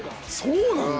そうなんだ！